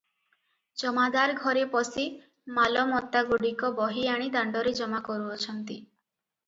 ଜମାଦାର ଘରେ ପଶି ମାଲମତାଗୁଡ଼ିକ ବହିଆଣି ଦାଣ୍ତରେ ଜମା କରୁଅଛନ୍ତି ।